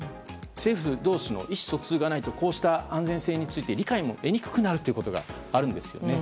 政府同士の意思疎通がないとこうした安全性について理解も得にくくなるということがあるんですね。